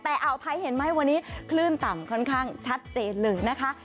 แต่อ่าวไทยเห็นไหมวันนี้คลื่นต่ำค่อนข้างชัดเจนเลยนะคะ